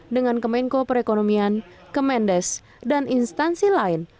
dengan kemenko perekonomian kemendes dan instansi lain